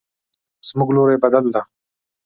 زموږ لوري بدل ده